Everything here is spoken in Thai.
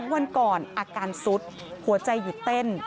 วันก่อนอาการสุดหัวใจหยุดเต้น